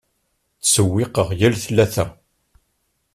Ttsewwiqeɣ yal ttlata.